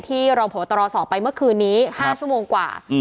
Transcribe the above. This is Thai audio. รองโผตรสอบไปเมื่อคืนนี้๕ชั่วโมงกว่า